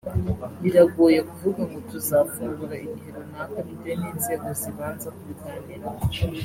Biragoye kuvuga ngo tuzafungura igihe runaka bitewe n’inzego z’ibanza kubiganiraho